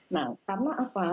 nah karena apa